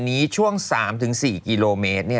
วันนี้ช่วง๓๔กิโลเมตร